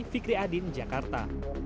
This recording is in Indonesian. fikri adin jakarta